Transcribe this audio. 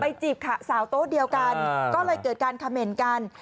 จีบสาวโต๊ะเดียวกันก็เลยเกิดการเขม่นกัน